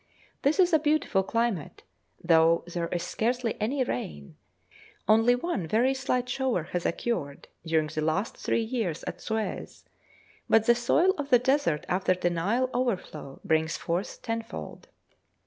This is a beautiful climate, though there is scarcely any rain; only one very slight shower has occurred during the last three years at Suez, but the soil of the desert after the Nile overflow brings forth tenfold.